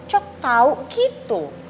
kok cocok tau gitu